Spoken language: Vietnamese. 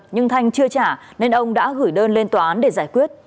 nhưng thanh chưa trả nên ông đã gửi đơn lên tòa án để giải quyết